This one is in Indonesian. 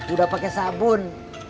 udah pake sabun